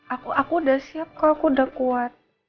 aku udah siap kok aku udah kuat